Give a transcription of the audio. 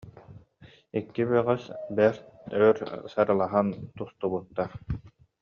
Икки бөҕөс бэрт өр сыралаһан тустубуттар